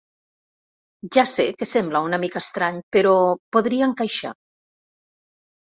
Ja sé que sembla una mica estrany, però podria encaixar.